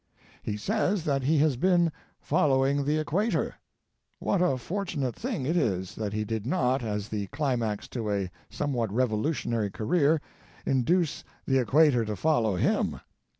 "He says that he has been 'Following the Equator.' What a fortunate thing it is that he did not, as the climax to a somewhat revolutionary career, induce the equator to follow him!